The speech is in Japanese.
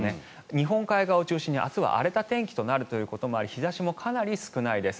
日本海側を中心に明日は荒れた天気になるということもあり日差しもかなり少ないです。